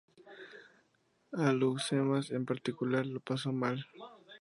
Alhucemas, en particular, lo pasó mal.